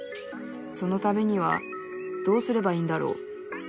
そのためにはどうすればいいんだろう。